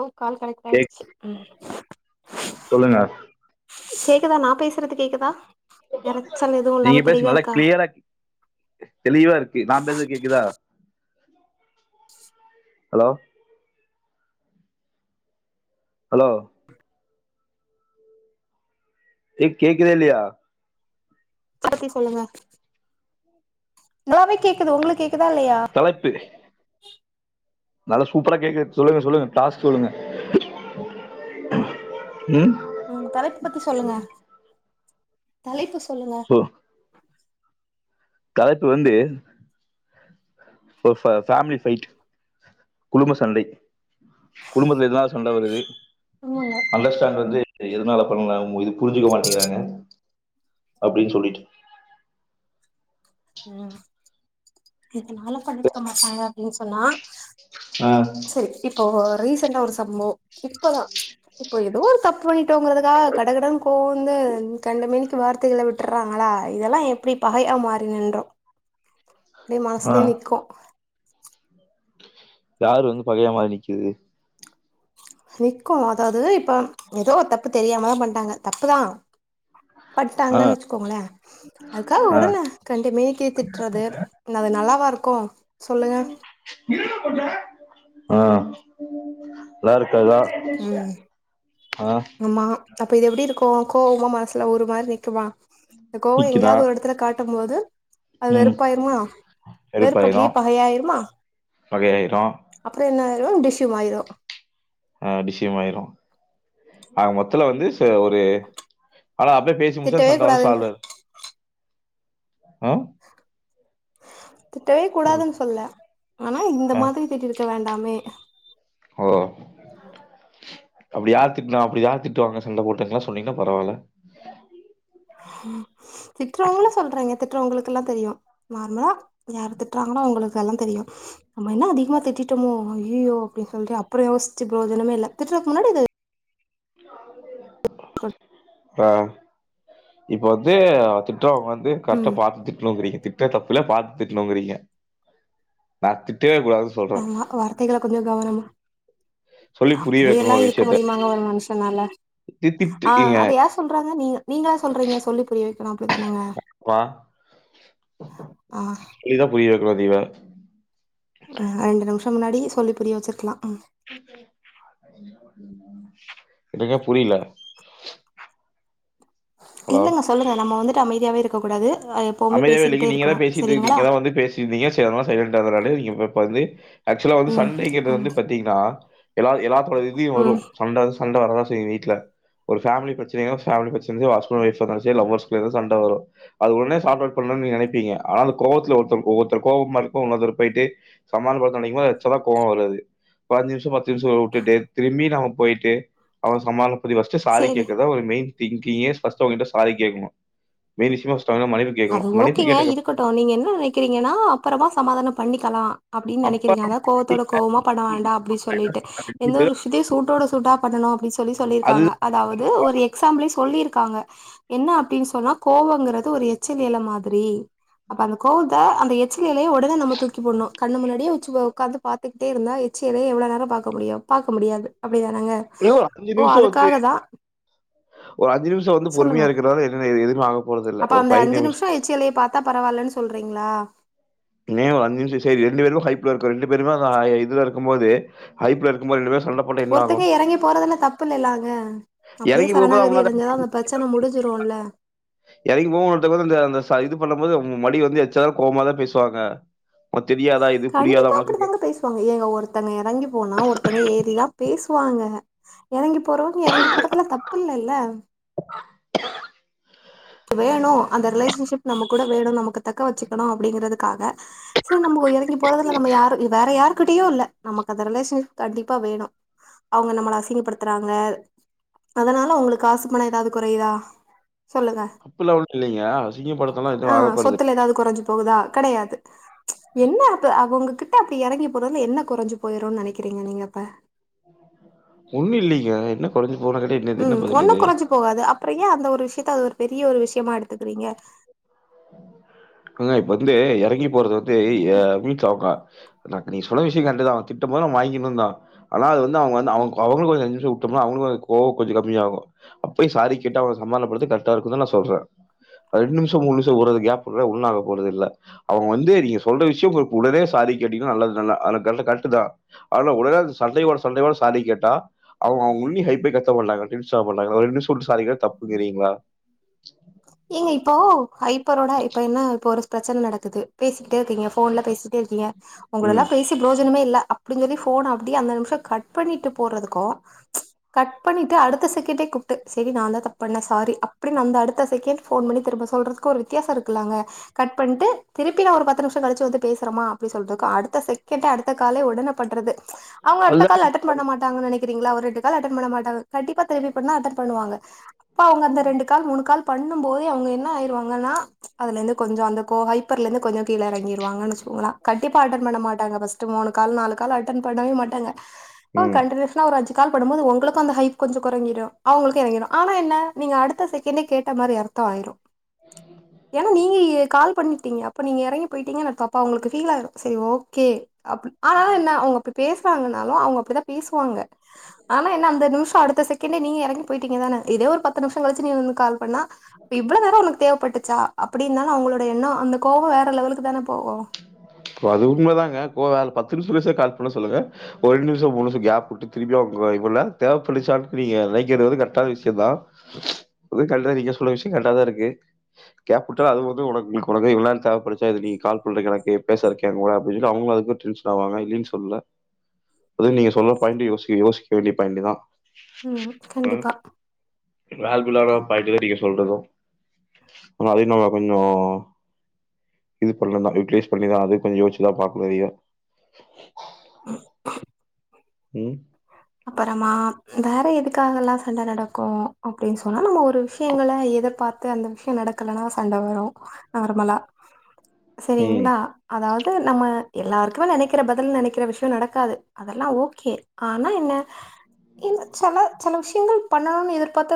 ஓ call கேக் கனெக்டாயிடுச்சு சொல்லுங்க கேக்குதா நா பேசுறது கேக்குதா எறச்சல் எதுவு நீங்க இல்லாம பேச தெளிவா நல்லா இருக்கா கிளியரா தெளிவாருக்கு நா பேசுற கேக்குதா ஹலோ ஹலோ [unintelligible] கேக்குதா இல்லயா [unintelligible] சொல்லுங்க நல்லாவே கேக்குது உங்களுக்கு கே க்குதா இல்லயா தலைப்பு நல்லா சூப்பரா கேக்கு சொல்லுங்க சொல்லுங்க டாஸ் சொல்லுங்க ம் ம் தலைப்பு பத்தி சொல்லுங்க தலைப்பு சொ சொல்லுங்க சோ தலைப்பு வந்து ஒரு ஃபே ஃபேமிலி பைட் குடும்ப சண்டை குடும்பத்துல எதனால சண்ட வருது ஆமாங்க அண்டர்ஸ்டாண்ட் வந்து எதனால பண்ணலா இது புரிஞ்சிக்க மாட்டேங்றாங்க அப்டின்னு சொல்லிட்டு ம் [unintelligible] பண்ணிருக்கமாட்டாங்க அப்டின் சொல் சொன்னா ஆ சரி இப்போ ரீசண்டா ஒரு சம்பவொ இப்பதா இப்ப ஏதோ ஒரு தப்பு பண்ணிட்டோங்றதுக்காக கட கடன் கோவ வந்து கண்டமேனிக்கு வார்த்தைகள விட்றாங்களா இதெல்லா எப்டி பகையா மாறி நின்றோ ப்படே ஆ மனசுலே நிக்கு யாரு வந்து பகையா மாரி நிக்குது நிக்கு அதாவது இப்ப ஏதோ தப்பு தெரியாமதா பண்ட்டாங்க தப்புதா ஆ பட்டாங்கன் வச்சுக்கோங்களே அதுக்காக ஆ ஒடனே கண்டமேனிக்கு திட்றது அது நல்லாவாருக்கு சொல்லுங்க ஆ நல்லாருக்காதா ம் ஆமா அப்ப இது எப்டிருக்கு கோ கோவங்க மனசுல ஒரு மாரி நிக்குமா அந்த கோவொ நிக்குதா எங்கயாது ஒரு எடத்துல காட் ட்டமோது அது ம் வெறுப்பாய்ருமா வெறுப்பு அப்டியே வெறுப்பாயிரும் பகையாய்ருமா வகையாயிரும். அப்ற என்ன [unintelligible] டிஷூம் ஆய்ரு ஆ [unintelligible] ஆக மொத்தல வந்து ஆ ஒரு ஆனா அப்டே பேசி பேசி தா திட்டவே சண்ட வந் சால்வ் கூடாதுன்னு ஆய் ஆ திட்டவே அப்படி கூடாதுன் சொல்லல ஆனா இந்த ஆ மாதிரி திட்டிருக்க வேண்டாமே ஓ அப்டி யார் திட்னா அப்டி யார் திட்டுவாங்க சண்ட போட்டங்ளா சொன்னீங்னா பரவால்ல திட்றவங்களுக்குலா தெரியு நார்மலா யாரு திட்றாங்ளோ அவங்களுக்கெல்லா தெரியு நம்ம என்ன அதிகமா திட்டிட்டமோ அய்யய்யோ அப்டி சொல்ற அப்பற யோசிச்சு பிரோஜனமேல்ல திட்றக்கு முன்னாடி து ஆ இப்ப வந்து திட்றவங்க வந்து கரெட்டா ம் பாத்து திட்ணுங்கிரீங்க தி [unintelligible] தப்புல பாத் திட்ணுங்குறீங்க [unintelligible] ஆமா வார்த்தைகள கொஞ்ச கவனமா சொல்லி புரிய வைக்கணும் அப்டியெல்லா ஒரு இருக்க விஷயத்த. முடியுமாங்க ஒரு மனுஷ் னால தி திட்டு ஆ ஏங்க அது யார் சொல்றாங்க நீ நீங்களா சொல்றீங்க சொல்லி புரிய வக்கனு அப்டிதானங்க மா ஆ விரோதி [unintelligible] ஆ ரெண்டு நிம்ஷ் [unintelligible] முன்னாடி சொல்லி புரிய வச்சிருக்லா என்னங்க புரியில இல்லங்க சொல்லுக நம்ம வந்து அமைதியாவே இருக்கக்கூடாது அமைதியாவேல்லைங்க நீங்கதா பேசிட்ருந்திங் நீங்கதா வந்து பேசிட்ருந்திங்க சேரி அனாலா சைலண்டாருந்த நானு நீங்க இப்பந்து ஆக்சுலா வந்து ம் சண்டேங்குற ம் வந்து பாத்தீங்னா எலால் எலா [unintelligible] வரு ம் சண்ட சண்ட வரதா செய்யு வீட்ல ஒரு ஃபேமிலி பிரச்னையு ஃபேமிலி பிரச்னையு ஹஸ்பண்ட் அன் ஒய்ஃப் லவ்வர்ஸ் [unintelligible] சண்ட வரு அது ஒன்னே சார்ட்டவுட் பண்ணுன் நீங்க நெனைப்பிங்க ஆனா கோவத்ல ஒருத்தவ் ஒ ஒருத்தள் கோவ [unintelligible] உணர்ந்துரு போய்ட்டு சமான படுத்த நெனைக்குமோது அச்சலா கோவ வருது ஒர் அஞ்சுநிம்ஷோ பத் [unintelligible] வுட்டுட்டு திரும்பி நாம போயிட்டு அவ சமான வஸ்ட்டு சாரி சேரி கேக்கதா ஒரு மெயின் திங்கிங்கே ஃபஸ்ட்டு அங்கிட்ட சாரி கேக்ணு [unintelligible] அது ஓகேங்க இருக்கட்டு நீங்க என்ன நெனக்கிறீங்கனா அப்றமா சமாதான பண்ணிக்கலா அப்டின் அப்ப நெனைக்றீங்க அதா கோவத்தோட கோவ்மா பண்ண வேண்டா அப்டி சொல்லிட்டு எந்த ஒரு விஷுத்தியு சூட்டோட சூட்டா பண்ணணு அப்டி சொல்லி அது சொல்லிருக்காங்க அதாவது ஒரு எக்ஸாம்ப்ளே சொல் சொல்லிருக்காங்க என்ன அப்டின் சொன்னா கோவோங்றது ஒரு எ எச்சில் எல மாதிரி அப்ப அந்த கோவுந்த அந்த எச்சில் எலய ஒடனே நம்ம தூக்கி போட்ணு கண்ணு முன்னாடியே உச்சுமோ உக்காந்து பாத்துக்கிட்டே இருந்தா எச்சி எலய எவ்ளோ நேரோ பாக்க முடியு பாக்க முடியாது அப்டிதானங்க ஏன் ஒரு இப்போ நிமிஷம் வந்து அதுக்காக தா ஒரு அஞ்சு நிம்ஷோ வந்து பொறுமையா இருக்றனால என்னன இது எதுமே ஆக போறதில்ல ஒரு ஃபைவ் நிமிஷ் தா பரவாலன் சொல்றீங்ளா னே அஞ்சு நிம்ஷ சேரி ரெண்டு வேரு ஹைப்ல இருக்கோ ரெண்டு பேருமே ஆ ஹை இதுல இருக்குமோது ஹைப்ல இருக்குமோ ரெண்டு பேர் ஒருத்தங்க எறங்கி போறதுல தப்பு இல்லலாங்க அப்டியே எறங்கி போம்போது சரணாகதி அவுங்ளால அடஞ்சதா அந்த பிரச்சன முடிஞ்சிருல்ல எறங்கி கோ [unintelligible] போது இந்த அந்த ச இது பண்ண மோது அவுங் [unintelligible] வந்து எச்சாலு கோவாமா தா பேசுவாங்க உனக்கு தெரியாதா? இது புரியாதா கண்டிப்பா உனக்கு? அப்டிதாங்க பேசுவாங்க ஏங்க ஒருத்தங்க எறங்கி போனா ஒருத்தங்க ஏறிதா பேசு வாங்க எறங்கி போறவங்க எறங்கி போறதுல தப்பு இல்லல்ல வேணு அந்த ரிலேஷன்ஷிப் நம்ம கூட வேணு நமக்கு தக்க வச்சுக்குணு அப்டிங்கறதுக்காக ந்து நம்போ எறங்கி போறதுல நம்ம யாரு வேற யாரு கிட்டயு இல்ல நம்மக் அந்த ரிலேஷன் கண்டிப்பா வேணு அவுங்க நம்மள அசிங்கப்படுத்தறாங்க அதனால ஒவுங்ளுக் காசு பண எதாவ்து குறையிதா அப்புல்லா ஒன்னு இல்லைங்க அசிங்க படுத்தலா எதூ ஆகப்போறது போதா கெடயாது என்ன அப்ப அவுங்க கிட் ட அப்டி எறங்கி போறதுல என்ன கொறஞ்சு போய்ருன் நெனைக்குறீங்க நீங்கப்ப ஒண்ணு இல்லைங்க என்ன கொறஞ்சு ம் ஒண்ணு கொறஞ்சு போகாது அப்ற ஏன் அந்த ஒரு விஷ்யத்த அது ஒரு பெரிய ஒரு விஷ்யமா எடுத்துக்குறீங்க ன்ன இப்ப வந்து எறங்கி போறது வந்து ஏன் வீட்ல அவங்க நா நீ சொன்ன விஷ்யு கர்ட்டுதா அவ திட்டு மோது நம்மு வாங்கின்னு தா ஆனா அது வந்து அவுங்க வந்து அவுங் அவுங்ககொஞ் அஞ்நிம்ஷோ உட்ருனு அவுங்குளு ஒரு கோவுகொஞ்சு கம்மியாகு அப்பயு சாரி கேட்டு அவுங்க சமானப்படுத்தி கர்ட்டா இருக்குன்தா நா சொல்ற ரெண் நிம்ஷோ மூன்நிம் ட்டு ஓரத கேப்புல்ல ஒண் ஆகபோறதுல்ல அவுங்க வந்து நீங்க சொல்ற விஷ்யோ உங்கள்க் உடனே சாரி கேட்டீங்னா நல்லது நல்லா அதுனா கர்ட்டு கர்ட்டுதா அதுல உடனே அது சண்டையோட சண்டேவா சாரி கேட்டா அவுங்க உள்ளி ஹைட்வெய்ட்டாத்தா பண்ணாங்க டெண்ஷனா பண்ணாங்க அதா வேணுனே சொல்ட்டு சாரி கேட் தப்புகிறீங்ளா ஏங்க இப்போ ஹய்ப்பரோட இப்ப என்ன இப்போ ஒரு பிரச்சன் நடக்குது பேசிகிட்டேருக்கீங்க ஃபோன்ல பேசிட்டேருக்கீங்க உங்களலா ம். பேசி ப்ரோஜனமே இல்ல அப்டின் சொல்லி ஃபோன அப்டியே அந்த நிம்ஷோ கட் பண்ணிட்டு போறதுக்கூ கட் பண்ணிட்டு அடுத்த செக்கண்டே கூப்ட்டு செரி நா தா தப்பண்ண சாரி அப்பிடின் அந்த அடுத் த செக்கெண்ட் ஃபோன் பண்ணி திரும்ப சொல்றதுக்கு ஒரு வித்தியாச இருக்குலங்க கட் பண்ட்டு திருப்பி நா ஒரு பத்து நிம்ஷோ கழிச்சு வந்து பேசுறமா அப்டி சொல்றக்கு அடுத்த செக்கெண்ட்டே அடுத்த காலே ஒடன பண்றது அவங்க அடுத்த அதுதாங்க கால் அட்டன் பண்ண மாட்டாங்க நெனைக் க்குறீங்ளா ஒரு ரெண்டு கால் அட்டன் பண்ண மாட்டாங்க கண்டிப்பா திரும்பி பண்ணா அட்டன் பண்ணுவாங்க ப்பா அவுங்க அந்த ரெண்டு கால் மூணு கால் பண்ணும் போதே அவுங்க என்ன ஆய்ருவாங்கனா ம்ச் அதுலந்து கொஞ்ச அந்த கோவ ஹய் ப்பர்லருந்து கொஞ்ச கீழ எறங்கிடுவாங்குகனு வச்சிகொங்ளா கண்டிப்பா அட்டன் பண்ண மாட்டாங்க ஃபஸ்ட் மூணு கால் நாலு கால் அட்டன் பண்ணவே மாட்டாங்க ஆ ம். கண்டினியூஸ்னா ஒரு அஞ் கால் பண்ணுபோது உங்களுக்கும் அந்த ஹைப் கொஞ்ச கொறைச்சிடு அவங்களுக்கு இறங்கிடு ஆனா என்ன நீங்க அடுத்த செகண்டே கேட் ட்ட மாரி அர்த்த ஆயிடு ஏன்னா நீங்க கால் பண்ணி டிங்க அப்ப நீங்க இறங்கி போயிட்டீங்கனு அர்த்த அப்ப அவங்களுக்கு ஃபீல் ஆயிரு சரி ஓகே அப் ஆனா என்ன அங்க போய் பேச ங்கனாலு அவங்க அப்படிதா பேசுவாங்க ஆனா என்ன அந்த நிமிஷம் அடுத்த சகேன்ட் கேநே நீ எறங்கி போயிட்டங்க தானே இதே ஒரு பத்து நிமிசம் கழிச்ச நீ வந்து கால் பண் ணா இவ்ளவு நேர உனக்கு தேவைப்பட்டு சல்சா அப்டி இருந்தாலு அவங்களோட எண்ணோ அந்த கோவ வேற லெவலுக்கு தான போவு பத்து நிமிஷ பேச கால் பண்ண சொல்லுங்க ஒரு ரெண்டு நிமிஷ மூணு நிமிஷ கேப் விட்டு திரும்பி அவங்க இவள தேவைப்பட்டுச்சுன்னு நீங்க நெனைக்கிறது கரெக்டான விஷயம்தா நீங்க சொன்ன விஷய கரெக்டா தா இருக்கு கேப் விட்ட அது வந்து உனக் உனக்கு இவ்ள நேர தேவைப்பட்டுச்சா நீ கால் பண்ற எனக்கு பேசற வைக்க கூட அப்டின்னு சொல்ட்டு அவங்கள அது டேன்சன் ஆவாங்க இல்லன்னு சொல்ல அது நீங்க சொல்ற பாய்ன்ட்டு யோசி யோசிக்க வேண்டிய பாயிண்ட்டு தா உம் கண்டிப்பா [unintelligible] பயட்டுதா நீங்க சொல்றது அதயு நம்ம கொஞ்ச இது பண்ணல தா யூட்டிலைஸ் பண்ணிதா அது கொஞ்ச யோசிச்சுதா பாக்கனு அதையு [inaudible] உம் அப்பறமா வேற எத் எதுகாகல சண்ட நடக்கும் அப்டின்னு சொன்னா நம்ம ஒரு விஷயங்க எதிர்பார்த்து அந்த விஷய நடக்கலனா சண்ட வரு நார்மலா ம். செரிங்களா அதாவது நம்ம எல்லாருக்குமே நெனைக்கிற பதில் நெனைக்கிற விஷய நடக்காது அதெல்லா ஓகே ஆ ஆனா என்ன சில சில விஷயங்கள் பண்ணணும்னு எதிர்பாத்த